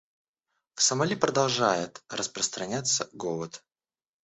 В Сомали продолжает распространяться голод.